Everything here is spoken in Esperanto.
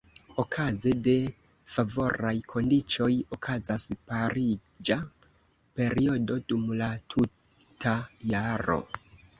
Okaze de favoraj kondiĉoj okazas pariĝa periodo dum la tuta jaro.